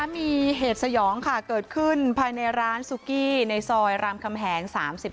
มีเหตุสยองค่ะเกิดขึ้นภายในร้านซุกี้ในซอยรามคำแหง๓๙